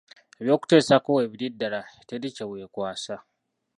Eby'okuteesaako weebiri ddala teri kye weekwasa.